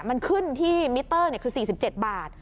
มันขึ้นที่มิเตอร์คือ๔๗บาท